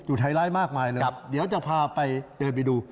อยู่ท้ายไร้มากมายเลยเดี๋ยวจะพาไปเดินไปดู